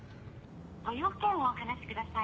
ご用件をお話しください。